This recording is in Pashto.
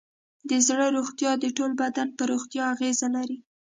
د زړه روغتیا د ټول بدن پر روغتیا اغېز لري.